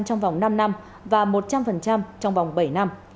chín mươi ba trong vòng năm năm và một trăm linh trong vòng năm năm